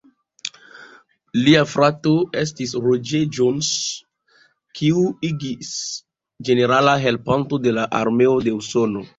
Lia frato estis Roger Jones, kiu igis ĝenerala helpanto de la armeo de Usono.